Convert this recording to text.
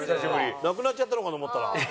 なくなっちゃったのかと思ったら。